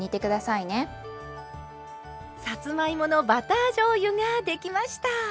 さつまいものバターじょうゆができました。